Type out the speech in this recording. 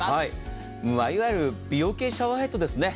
いわゆる美容系シャワーヘッドですね。